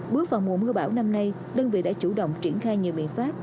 bước vào mùa mưa bão năm nay đơn vị đã chủ động triển khai nhiều biện pháp